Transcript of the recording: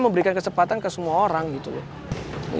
memberikan kesempatan ke semua orang gitu loh